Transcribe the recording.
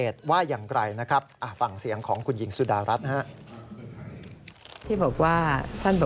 ท่านบอกว่า